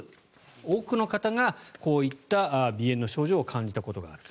多くの方がこういった鼻炎の症状を感じたことがある。